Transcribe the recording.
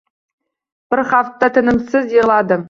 Bir hafta tinimsiz yig`ladim